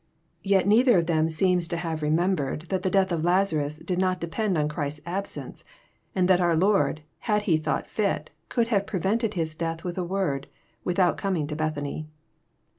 Yet neither of them seems to have re JOHN, CHAP. XI. 255 xnembered that the death of Lazanis did not depeAd on Christ's absence, and that our Lord, had He thought fit, could have prevented his death with a word, without com ing to Bethany.